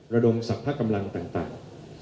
ระดงศัพท์ภาคกำลังต่าง